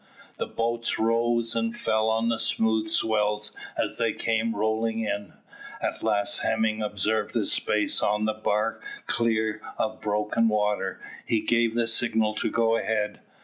The boats rose and fell on the smooth swells as they came rolling in. At last Hemming observed a space on the bar clear of broken water. He gave the signal to go ahead.